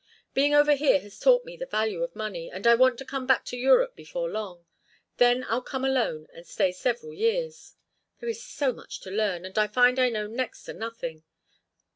Being over here has taught me the value of money, and I want to come back to Europe before long. Then I'll come alone and stay several years. There is so much to learn, and I find I know next to nothing.